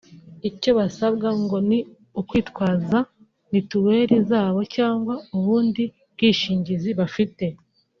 icyo basabwa ngo ni ukwitwaza mituweri zabo cyangwa ubundi bwishingizi bafite